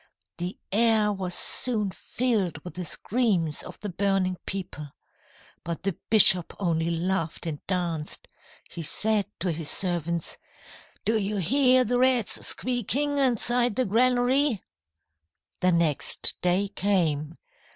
"The air was soon filled with the screams of the burning people. But the bishop only laughed and danced. He said to his servants: "'Do you hear the rats squeaking inside the granary?' "The next day came.